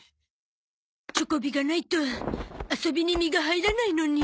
チョコビがないと遊びに身が入らないのに。